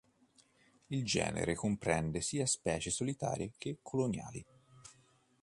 Il genere comprende sia specie solitarie che coloniali.